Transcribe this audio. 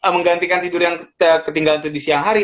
menggantikan tidur yang ketinggalan itu di siang hari